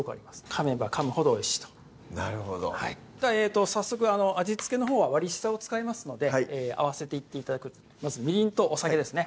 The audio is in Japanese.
かめばかむほどおいしいとなるほど早速味付けのほうは割り下を使いますので合わせていって頂くまずみりんとお酒ですね